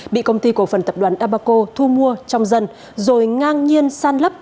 bị công ty cổ phần tập đoàn đà bà cộ thu mua trong dân rồi ngang nhiên săn lấp